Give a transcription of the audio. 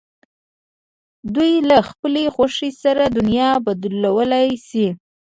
دوی له خپلې خوښې سره دنیا بدلولای شي.